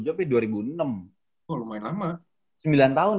oh lumayan lama sembilan tahun